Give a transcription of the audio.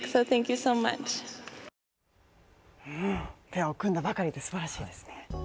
ペア組んだばかりで素晴らしいですね。